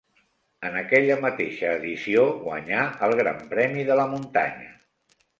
En aquella mateixa edició guanyà el Gran Premi de la Muntanya.